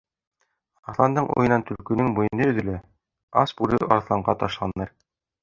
Арыҫландың уйынан төлкөнөң муйыны өҙөлә. Ас бүре арыҫланға ташланыр.